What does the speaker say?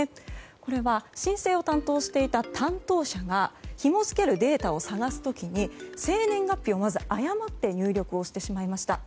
これは申請を担当していた担当者が、ひも付けるデータを探す時に、生年月日を誤って入力をしてしまいました。